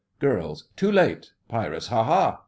GIRLS: Too late! PIRATES: Ha, ha!